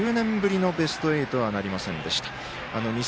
１０年ぶりのベスト８はなりませんでした。